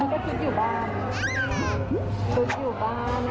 อันนี้ซุ๊กอยู่บ้านป่ะคะ